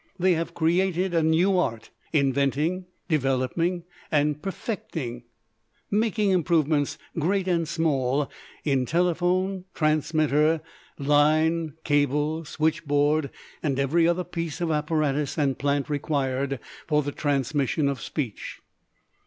They have created a new art, inventing, developing, and perfecting, making improvements great and small in telephone, transmitter, line, cable, switchboard, and every other piece of apparatus and plant required for the transmission of speech.